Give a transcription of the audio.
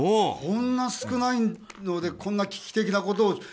こんなに少ないのにこんな危機的なことを。